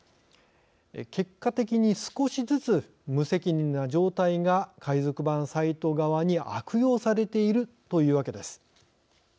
結果的に少しずつ無責任な状態が海賊版サイト側に悪用されているというわけです。